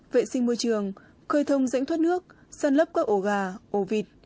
vệ sinh môi trường khơi thông dãnh thoát nước săn lấp các ổ gà ổ vịt